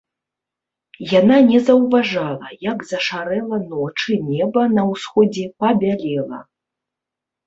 Яна не заўважала, як зашарэла ноч і неба на ўсходзе пабялела.